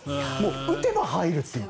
打てば入るという。